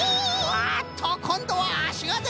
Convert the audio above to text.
あっとこんどはあしがでた！